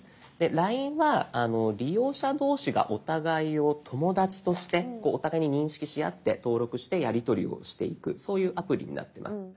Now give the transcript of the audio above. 「ＬＩＮＥ」は利用者同士がお互いを「友だち」としてお互いに認識し合って登録してやりとりをしていくそういうアプリになってます。